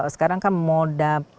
sekarang kan moda